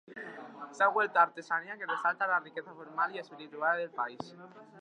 Se ha vuelto artesanía que resalta la riqueza formal y espiritual del país.